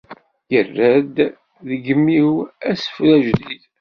Irra-d deg yimi-w asefru ajdid.